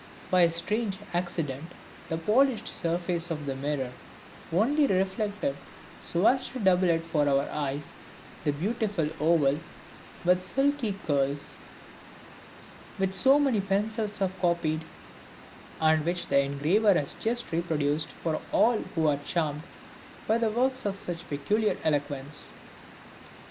By a strange accident, the polished surface of the mirror only reflected so as to double it for our eyes, the beautiful oval with silky curls which so many pencils have copied, and which the engraver has just reproduced for all who are charmed by works of such peculiar eloquence.